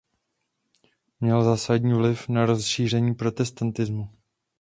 Měl zásadní vliv na rozšíření protestantismu.